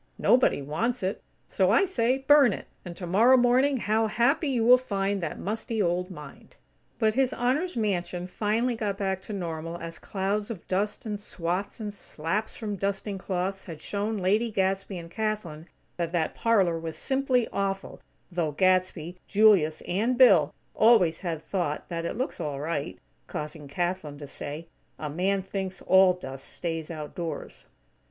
Nobody wants it. So I say, burn it, and tomorrow morning, how happy you will find that musty old mind!" But His Honor's mansion finally got back to normal as clouds of dust and swats and slaps from dusting cloths had shown Lady Gadsby and Kathlyn that "that parlor was simply awful" though Gadsby, Julius and Bill always had thought that "It looks all right," causing Kathlyn to say: "A man thinks all dust stays outdoors."